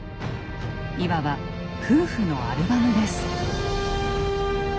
いわば「夫婦のアルバム」です。